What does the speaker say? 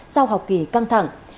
sau học kỳ căng thẳng